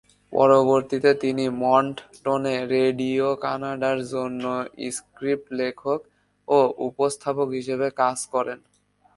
পরবর্তীতে তিনি মন্টটনে রেডিও-কানাডার জন্য স্ক্রিপ্ট লেখক ও উপস্থাপক হিসেবে কাজ করেন।